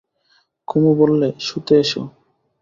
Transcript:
কুমু বললে, শুতে এসো।